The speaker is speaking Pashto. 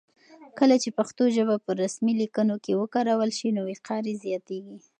کله چې پښتو ژبه په رسمي لیکونو کې وکارول شي نو وقار یې زیاتېږي.